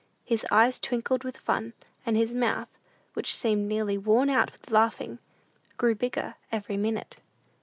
His eyes twinkled with fun, and his mouth, which seemed nearly worn out with laughing, grew bigger every minute.